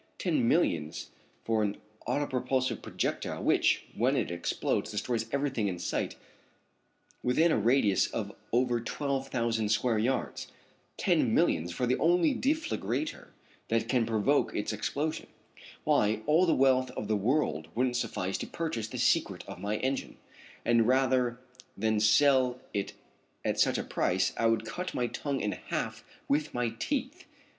Ten millions for an autopropulsive projectile which, when it explodes, destroys everything in sight within a radius of over twelve thousand square yards! Ten millions for the only deflagrator that can provoke its explosion! Why, all the wealth of the world wouldn't suffice to purchase the secret of my engine, and rather than sell it at such a price I would cut my tongue in half with my teeth.